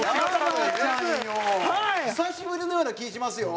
久しぶりのような気しますよ。